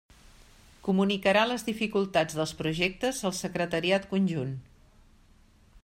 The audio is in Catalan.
Comunicarà les dificultats dels projectes al Secretariat Conjunt.